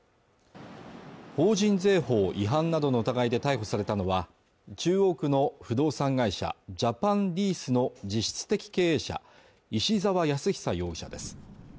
法人税法違反などの疑いで逮捕されたのは中央区の不動産会社ジャパンリースの実質的経営者石沢靖久容疑者です